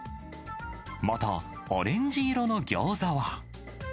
また、オレンジ色のギョーザは。